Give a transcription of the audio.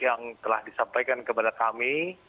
yang telah disampaikan kepada kami